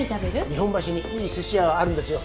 日本橋にいいすし屋があるんですよ。